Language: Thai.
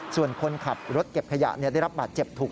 ส่วนคนขับรถเก็บขยะได้รับบาดเจ็บถูก